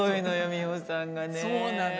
美穂さんがね。